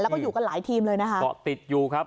และก็อยู่กับหลายทีมติดอยู่ครับ